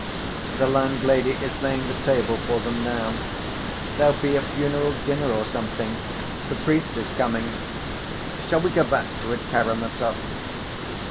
"The landlady is laying the table for them now—there'll be a funeral dinner or something, the priest is coming; shall we go back to it, Karamazov?"